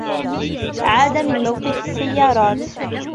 عاد من موقف السّيّارات.